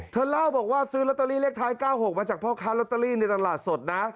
เธอเล่าบอกว่าซื้อลอตเตอรี่เลขท้าย๙๖มาจากพ่อค้าลอตเตอรี่ในตลาดสดนะ